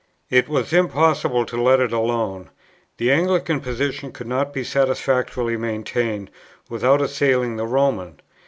It was impossible to let it alone: the Anglican position could not be satisfactorily maintained, without assailing the Roman.